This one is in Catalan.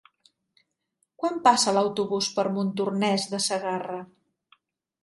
Quan passa l'autobús per Montornès de Segarra?